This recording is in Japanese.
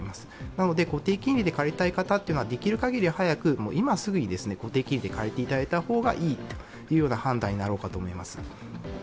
なので固定金利で借りたい方というのはできる限り早く、今すぐに固定金利に変えていただいた方がいいという判断になろうかと思います。